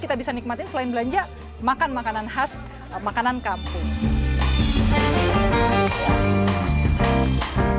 kita bisa nikmatin selain belanja makan makanan khas makanan kampung